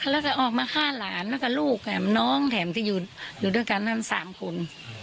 แล้วก็ออกมาฆ่าหลานแล้วก็ลูกแถมน้องแถมที่อยู่ด้วยกันนั้น๓คน